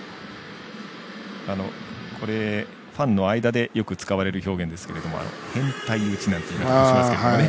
ファンの間でよく使われる表現ですけど変態打ちなんて言い方もしますけどね。